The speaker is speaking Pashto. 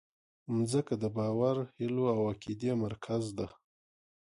مځکه د باور، هیلو او عقیدې مرکز ده.